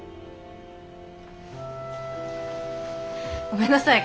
ごめんなさい。